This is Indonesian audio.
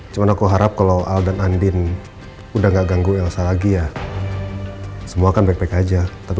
cuman aku harap kalau al dan andin udah nggak ganggu elsa lagi ya semua kan baik baik aja tapi